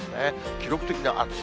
記録的な暑さ。